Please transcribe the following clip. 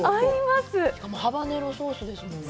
ハバネロソースですもんね。